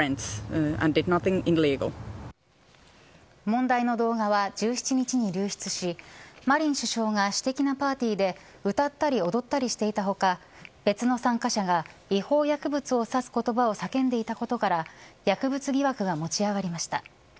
問題の動画は１７日に流出しマリン首相が私的なパーティーで歌ったり踊ったりしていた他別の参加者が違法薬物を指す言葉を叫んでいたことから薬物疑惑が持ち上がりました。